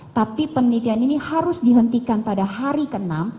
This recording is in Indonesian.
tapi penelitian ini harus dihentikan pada hari ini